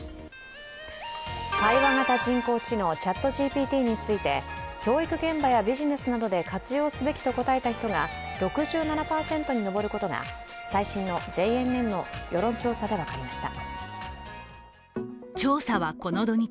対話型人工知能ＣｈａｔＧＰＴについて教育現場やビジネスなどで活用すべきと答えた人が６７％に上ることが最新のＪＮＮの世論調査で分かりました。